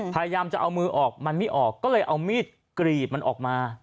พยายามจะเอามือออกมันไม่ออกก็เลยเอามีดกรีดมันออกมา